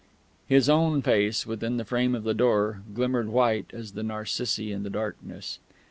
His own face, within the frame of the door, glimmered white as the narcissi in the darkness....